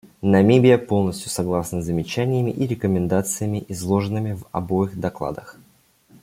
Намибия полностью согласна с замечаниями и рекомендациями, изложенными в обоих докладах.